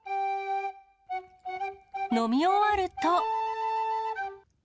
飲み終わると。